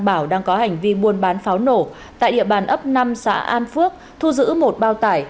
bảo đang có hành vi buôn bán pháo nổ tại địa bàn ấp năm xã an phước thu giữ một bao tải